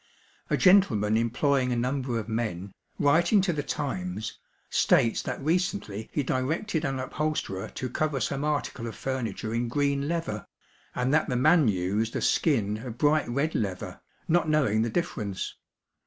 A gentleman employing a number of men, writing to the Times, states that recently he directed an upholsterer to cover some article of furniture in green leather, and that the man used a skin of bright red leather, not knowing the difference.